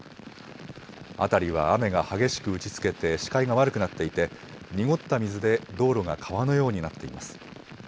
辺りは雨が激しく打ちつけて視界が悪くなっていて濁った水で道路が川のようになっています。